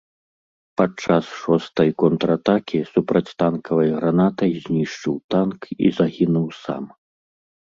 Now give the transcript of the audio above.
Падчас шостай контратакі супрацьтанкавай гранатай знішчыў танк і загінуў сам.